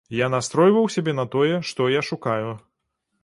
Я настройваў сябе на тое, што я шукаю.